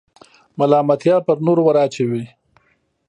ملامتیا پر نورو وراچوئ.